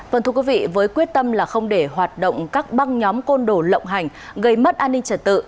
vâng thưa quý vị với quyết tâm là không để hoạt động các băng nhóm côn đồ lộng hành gây mất an ninh trật tự